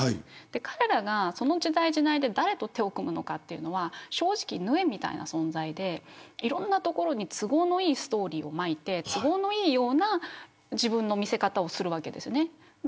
彼らがその時代時代で誰と手を組むのかは正直、ぬえみたいな存在でいろいろな所に都合のいいストーリーをまいて都合のいいような自分の見せ方をするわけです。